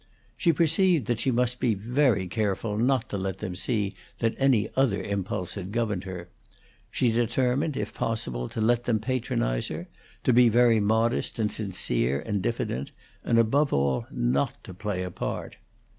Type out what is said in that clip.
She perceived that she must be very careful not to let them see that any other impulse had governed her; she determined, if possible, to let them patronize her; to be very modest and sincere and diffident, and, above all, not to play a part.